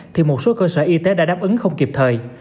thì một số cơ sở y tế đã đáp ứng không kịp thời